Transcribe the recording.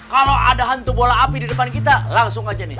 kalau ada hantu bola api di depan kita langsung aja nih